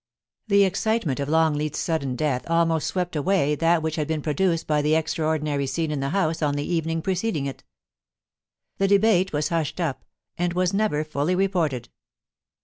The excitement of Longleat's sudden death almost swept away that which had been produced by the extraordinary scene in the House on the evening preceding it The debate was hushed up, and was never fully reported.